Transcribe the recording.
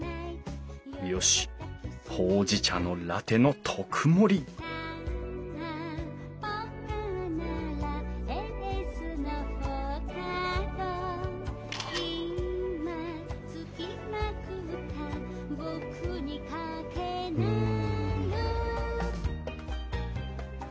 よしほうじ茶のラテの特盛りうん。